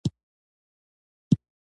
څادر يې ټکواهه.